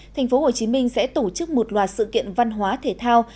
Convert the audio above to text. thành phố hồ chí minh sẽ tổ chức một loạt sự kiện văn hóa thể thao